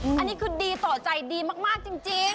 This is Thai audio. อันนี้คือดีต่อใจดีมากจริง